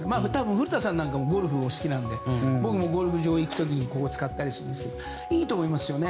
古田さんもゴルフお好きなので僕もゴルフ場行く時にここ使ったりするんですけどいいと思いますよね。